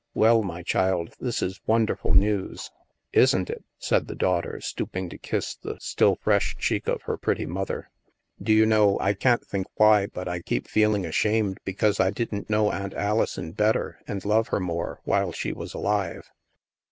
Well, my child, this is wonderful news." " Isn't it ?" said the daughter, stooping to kiss the still fresh cheek of her pretty mother. " Do you know, I can't see why, but I keep feeling ashamed because I didn't know Aunt Alison better and love her more, while she was alive."